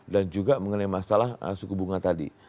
dan juga mengenai masalah suku bunga tadi